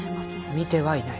見てはいない？